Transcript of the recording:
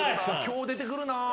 今日出てくるな。